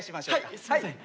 はいすいません。